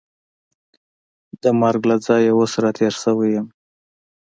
د مرګ له ځایه اوس را تېره شوې یم.